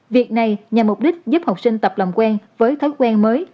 việc này nhằm mục đích giúp học sinh tập làm quen với thói quen mới